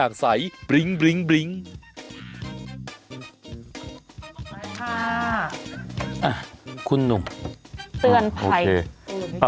สวัสดีครับคุณผู้ชม